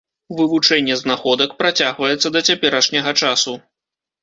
Вывучэнне знаходак працягваецца да цяперашняга часу.